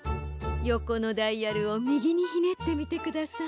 よこのダイヤルをみぎにひねってみてください。